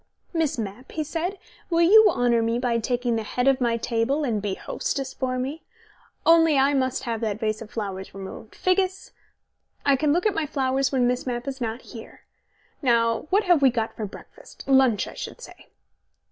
"Miss Mapp," he said, "will you honour me by taking the head of my table and be hostess for me? Only I must have that vase of flowers removed, Figgis; I can look at my flowers when Miss Mapp is not here. Now, what have we got for breakfast lunch, I should say?"